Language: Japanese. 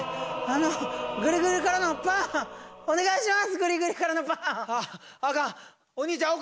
あのグリグリからのパンをお願いします。